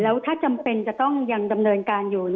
แล้วถ้าจำเป็นจะต้องยังดำเนินการอยู่